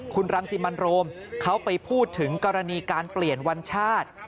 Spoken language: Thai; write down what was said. คุณรังสิมันโรมเขาไปพูดถึงกรณีการเปลี่ยนวันชาติ